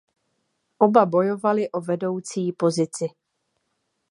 Oba bojovali o vedoucí pozici.